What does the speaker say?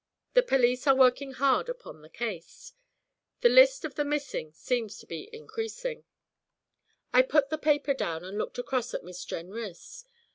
The police are working hard upon the case. The list of the missing seems to be increasing."' I put the paper down and looked across at Miss Jenrys.